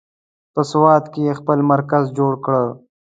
په سوات کې یې خپل مرکز جوړ کړ.